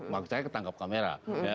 makanya ketangkap kamera